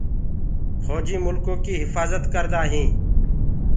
ڦوجي ريآستي ڪيٚ هڦآجد ڪردآ هينٚ۔